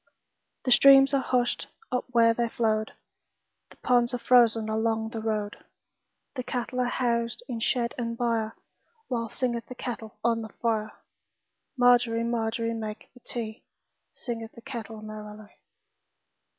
The streams are hushed up where they flowed, The ponds are frozen along the road, The cattle are housed in shed and byreWhile singeth the kettle on the fire. Margery, Margery, make the tea, Singeth the kettle merrily.